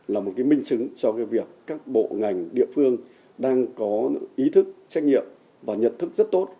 là một cái minh chứng cho cái việc các bộ ngành địa phương đang có ý thức trách nhiệm và nhận thức rất tốt